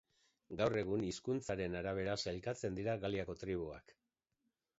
Gaur egun, hizkuntzaren arabera sailkatzen dira Galiako tribuak.